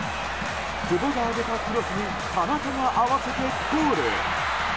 久保が上げたクロスに田中が合わせてゴール。